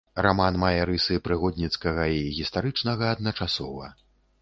Раман мае рысы прыгодніцкага і гістарычнага адначасова.